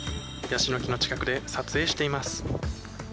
ヤシの木の近くで撮影しています。